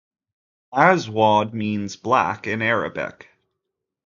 "Aswad" means "black" in Arabic.